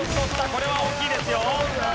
これは大きいですよ。